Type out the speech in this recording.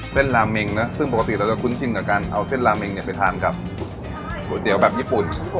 ลาเมงนะซึ่งปกติเราจะคุ้นชินกับการเอาเส้นลาเมงเนี่ยไปทานกับก๋วยเตี๋ยวแบบญี่ปุ่น